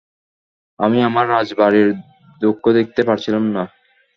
আমি আমার রাজবীরের দুঃখ দেখতে পারছিলাম না।